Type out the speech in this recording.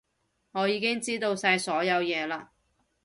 我已經知道晒所有嘢嘞